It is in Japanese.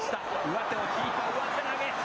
上手を引いた上手投げ。